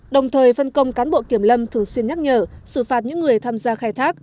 đồng thời phân công cán bộ kiểm lâm thường xuyên nhắc nhở xử phạt những người tham gia khai thác